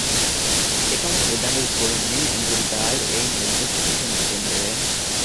އެކަމަކު އެ ދަނޑުގެ ކުޅުންނިމި އެނބުރިދާއިރު އެއިން އެއްވެސްއެއްޗެއް ނުގެންދެވޭނެ